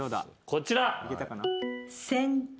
こちら。